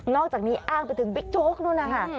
อกจากนี้อ้างไปถึงบิ๊กโจ๊กนู่นนะคะ